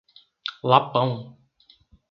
Lapão